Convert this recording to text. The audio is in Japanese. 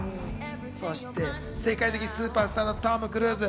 そして、世界的スーパースターのトム・クルーズ。